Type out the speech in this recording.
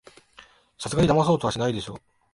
さすがにだまそうとはしないでしょ